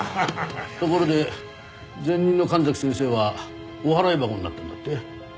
ところで前任の神崎先生はお払い箱になったんだって？